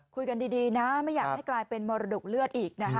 คุยกันดีนะไม่อยากให้กลายเป็นมรดกเลือดอีกนะคะ